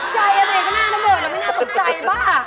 ใจอะไรก็หน้าพี่เบิร์ดแล้วไม่น่าตกใจบ้า